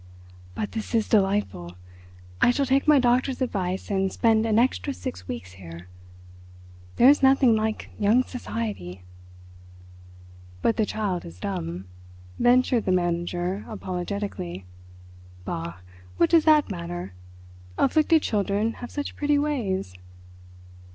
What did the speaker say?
But this is delightful! I shall take my doctor's advice and spend an extra six weeks here. There is nothing like young society." "But the child is dumb," ventured the manager apologetically. "Bah! What does that matter? Afflicted children have such pretty ways."